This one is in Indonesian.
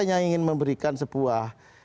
kedua saya ingin memberikan sebuah